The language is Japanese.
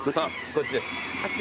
こっちです。